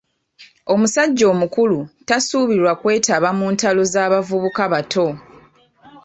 Omusajja omukulu tasuubirwa kwetaba mu ntalo za bavubuka bato.